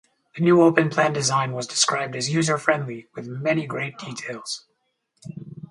The new open-plan design was described as user friendly with many great details.